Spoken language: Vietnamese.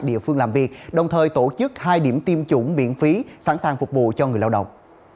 địa phương làm việc đồng thời tổ chức hai điểm tiêm chủng miễn phí sẵn sàng phục vụ cho người lao động